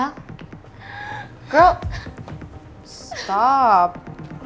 lu ngapain masih bela